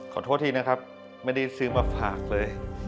ขอโทษทีนะครับไม่ได้ซื้อมาฝากเลย